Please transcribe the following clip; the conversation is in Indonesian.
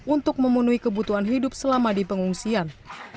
untuk memenuhi kebutuhan hidup selama di pengungsian